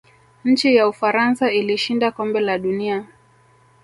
nchi ya ufaransa ilishinda kombe la dunia